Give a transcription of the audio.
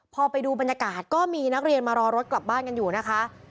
พอไปดูบรรยากาศก็มีนักเรียนมารอรถกลับบ้านกันอยู่นะคะ